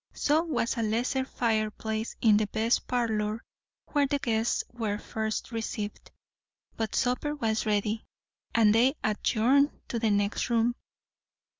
So was a lesser fireplace in the best parlour, where the guests were first received; but supper was ready, and they adjourned to the next room.